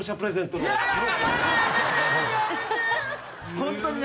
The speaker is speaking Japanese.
ホントにね。